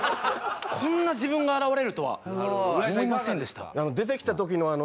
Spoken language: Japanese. こんな自分が現れるとは思いませんでした。